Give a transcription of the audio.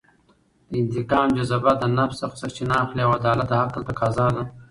د انتقام جذبه له نفس څخه سرچینه اخلي او عدالت د عقل تفاضا ده.